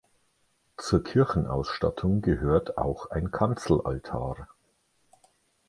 Zur Kirchenausstattung gehört auch ein Kanzelaltar.